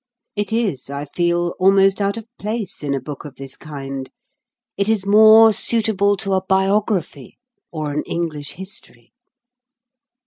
It is, I feel, almost out of place in a book of this kind. It is more suitable to a biography, or an English history.